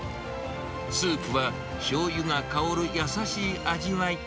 スープは、しょうゆが香る優しい味わい。